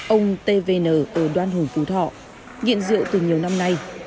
ông t v n ở đoan hùng phú thọ nghiện rượu từ nhiều năm nay